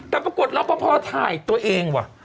แต่ปรากฏแล้วเพราะพอถ่ายตัวเองว่ะ